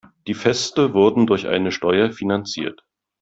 Die Feste wurden durch eine Steuer finanziert.